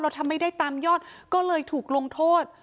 ทำไม่ได้ตามยอดก็เลยถูกลงโทษ